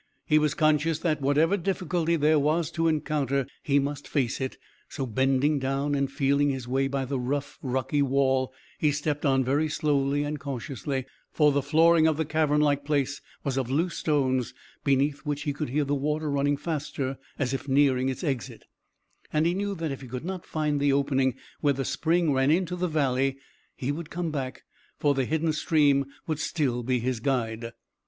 He was conscious that whatever difficulty there was to encounter he must face it, so bending down and feeling his way by the rough rocky wall, he stepped on very slowly and cautiously, for the flooring of the cavern like place was of loose stones, beneath which he could hear the water running faster as if nearing its exit, and he knew that if he could not find the opening where the spring ran into the valley, he could come back, for the hidden stream would still be his guide.